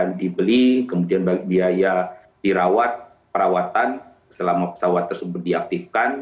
kemudian dibeli kemudian biaya dirawat perawatan selama pesawat tersebut diaktifkan